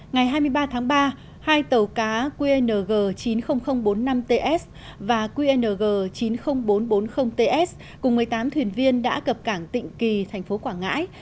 ngày hai mươi ba tháng ba hai tàu cá qng chín mươi nghìn bốn mươi năm ts và qng chín mươi nghìn bốn trăm bốn mươi ts cùng một mươi tám thuyền viên đã cập cảng tịnh kỳ tp quảng ngãi